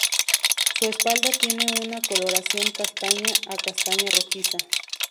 Su espalda tiene una coloración castaña a castaña rojiza.